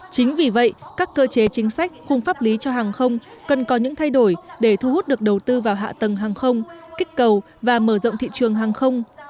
chính vì vậy các cơ chế chính sách khung pháp lý cho hàng không cần có những thay đổi để thu hút được đầu tư vào hạ tầng hàng không kích cầu và mở rộng thị trường hàng không